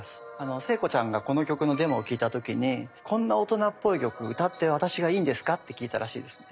聖子ちゃんがこの曲のデモを聞いた時に「こんな大人っぽい曲歌って私がいいんですか？」って聞いたらしいんですね。